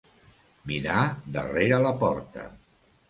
Mirar darrere la porta.